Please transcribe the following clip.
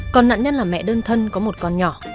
còn nạn nhân là mẹ đơn thân có một con nhỏ